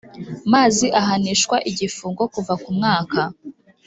mazi ahanishwa igifungo kuva ku mwaka